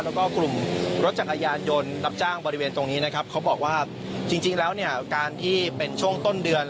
แล้วก็กลุ่มรถจักรยานยนต์รับจ้างบริเวณตรงนี้นะครับเขาบอกว่าจริงแล้วเนี่ยการที่เป็นช่วงต้นเดือน